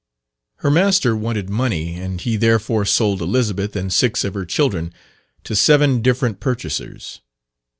Her master wanted money, and he therefore sold Elizabeth and six of her children to seven different purchasers.